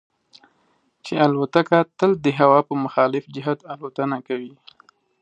چې الوتکه تل د هوا په مخالف جهت الوتنه کوي.